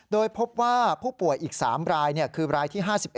โดยพบว่าผู้ป่วยอีก๓รายคือรายที่๕๑